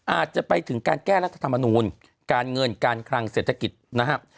อาจจะไปถึงการแก้รัฐธรรมนูลการเงินการคลังเศรษฐกิจนะครับ